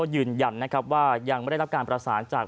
ยืนยันนะครับว่ายังไม่ได้รับการประสานจาก